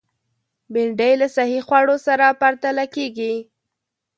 بېنډۍ له صحي خوړو سره پرتله کېږي